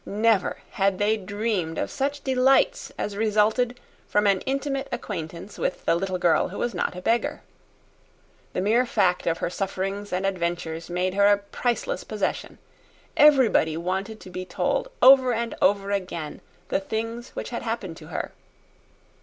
Never had they dreamed of such delights as resulted from an intimate acquaintance with the little girl who was not a beggar. The mere fact of her sufferings and adventures made her a priceless possession. Everybody wanted to be told over and over again the things which had happened to her.